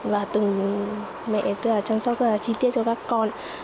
và từng mẹ chăm sóc rất là chi tiết cho các con